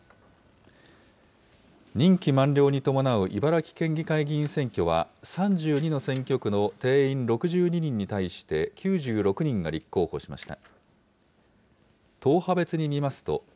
任期満了に伴う茨城県議会議員選挙は、３２の選挙区の定員６２人に対して９６人が立候補しました。